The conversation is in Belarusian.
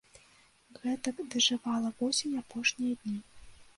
Гэтак дажывала восень апошнія дні.